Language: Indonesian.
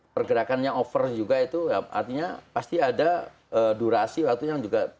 pergerakannya over juga itu artinya pasti ada durasi waktu yang juga